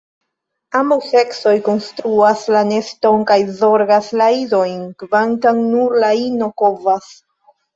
Ambaŭ seksoj konstruas la neston kaj zorgas la idojn, kvankam nur la ino kovas.